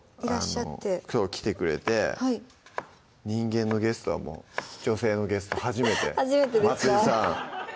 そう来てくれて人間のゲストはもう女性のゲスト初めて松井さん